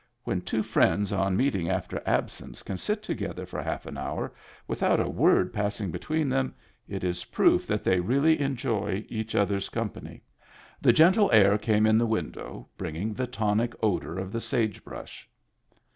When two friends on meeting after ab sence can sit together for half an hour without a word passing between them, it is proof that they really enjoy each other's company. The gentle air came in the window, bringing the tonic odor of the sage brush.